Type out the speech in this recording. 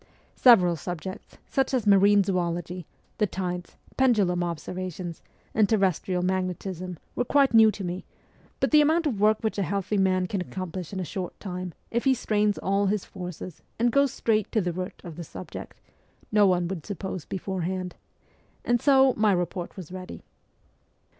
Several subjects, such as marine zoology, the tides, pendulum observations, and terrestrial magnetism, were quite new to me ; but the amount of work which a healthy man can accomplish in a short time, if he strains all his forces and goes straight to the root of the subject, no one would suppose beforehand and so my report was ready.